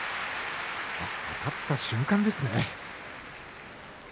立った瞬間でしたね。